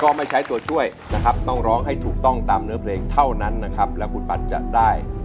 ไม่ใช้ตัวช่วยนะครับต้องร้องให้ถูกต้องตามเนื้อเพลงเท่านั้นนะครับแล้วคุณปัดจะได้